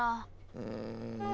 うん。